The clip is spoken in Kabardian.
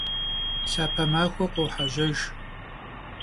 Lhape maxue khuuhejejj!